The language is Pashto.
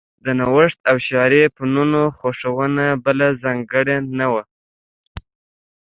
د نوښت او شعري فنونو خوښونه بله ځانګړنه وه